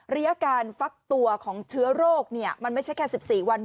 ระยะการฟักตัวของเชื้อโรคมันไม่ใช่แค่๑๔วัน